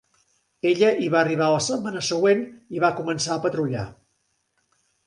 Ella hi va arribar la setmana següent i va començar a patrullar.